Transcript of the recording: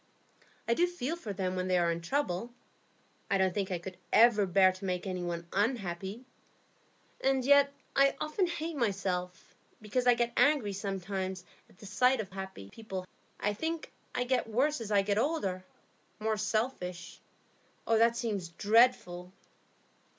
I do feel for them when they are in trouble; I don't think I could ever bear to make any one _un_happy; and yet I often hate myself, because I get angry sometimes at the sight of happy people. I think I get worse as I get older, more selfish. That seems very dreadful."